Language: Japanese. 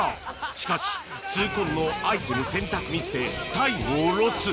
しかし痛恨のアイテム選択ミスでタイムをロス